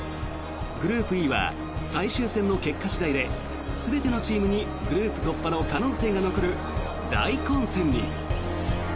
グループＥは最終戦の結果次第で全てのチームにグループ突破の可能性が残る大混戦に。